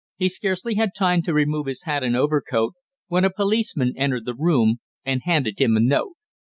He scarcely had time to remove his hat and overcoat when a policeman entered the room and handed him a note.